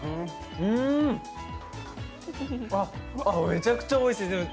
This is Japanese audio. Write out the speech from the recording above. めちゃくちゃおいしい。